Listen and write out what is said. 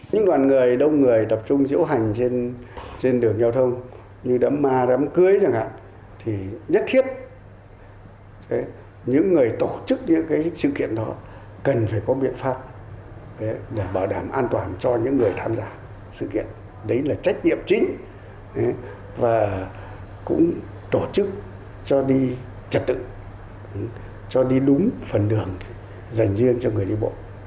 chật tự cho đi đúng phần đường dành riêng cho người đi bộ